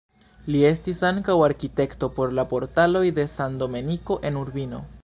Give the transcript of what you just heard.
Li estis ankaŭ arkitekto por la portaloj de San Domenico en Urbino.